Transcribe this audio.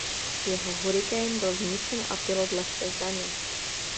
Jeho Hurricane byl zničen a pilot lehce zraněn.